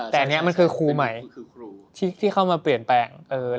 แต่อันนี้มันคือครูใหม่คือครูที่เข้ามาเปลี่ยนแปลง